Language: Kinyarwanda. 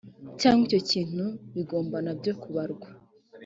cyangwa icyo kintu bigomba nabyo kubarwa